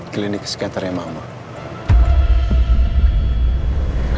klinik sekitarnya mama